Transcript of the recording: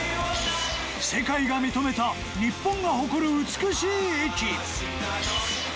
世界が認めた日本が誇る美しい駅。